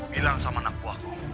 bilang sama anak buahku